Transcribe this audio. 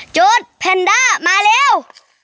จู๊ดเพ็นด้ามาเร็ว